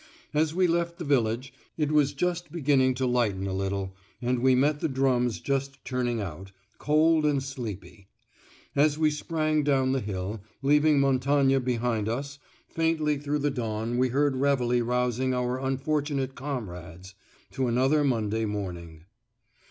As we left the village it was just beginning to lighten a little, and we met the drums just turning out, cold and sleepy. As we sprang down the hill, leaving Montagne behind us, faintly through the dawn we heard réveillé rousing our unfortunate comrades to another Monday morning!